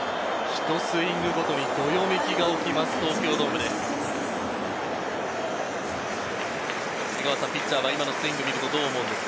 ひとスイングごとにどよめきが起きます、東京ドームです。